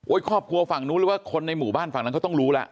ครอบครัวฝั่งนู้นหรือว่าคนในหมู่บ้านฝั่งนั้นเขาต้องรู้แล้ว